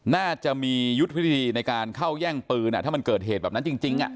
น่าจะมียุทธวิธีในการเข้าแย่งปืนถ้ามันเกิดเหตุแบบนั้นจริง